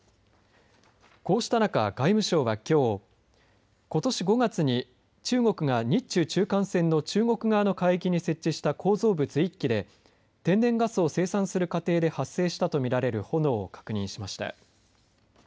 こうした中、外務省はきょうことし５月に中国は日中中間線の中国側の海域に設置した構造物１基で天然ガスを生産する過程で発生したと見られる炎を確認しました。